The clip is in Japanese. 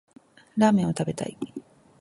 ラーメンを食べたい